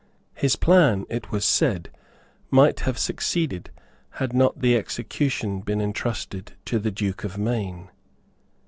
His plan, it was said, might have succeeded, had not the execution been entrusted to the Duke of Maine.